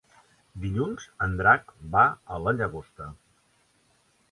Dilluns en Drac va a la Llagosta.